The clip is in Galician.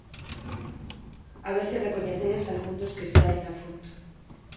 A ver se recoñecedes a algún dos que saen na foto.